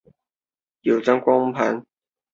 白家大地遗址的历史年代为卡约文化。